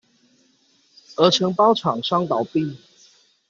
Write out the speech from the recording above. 而承包廠商倒閉